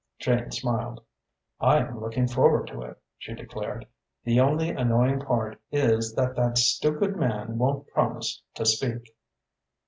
Jane smiled. "I am looking forward to it," she declared. "The only annoying part is that that stupid man won't promise to speak."